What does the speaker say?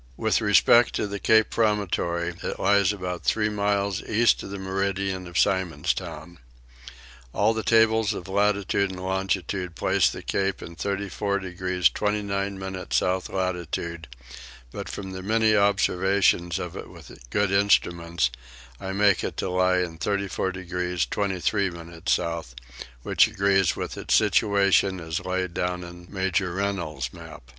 With respect to the Cape Promontory it lies about three miles east of the meridian of Simon's Town. All the tables of latitude and longitude place the Cape in 34 degrees 29 minutes south latitude; but from many observations off it with good instruments I make it to lie in 34 degrees 23 minutes south, which agrees with its situation as laid down in major Rennel's map.